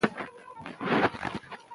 غیرت د هر مېړني افغان په پګړۍ کي وي.